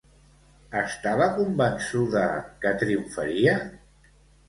Estava convençuda que triomfaria?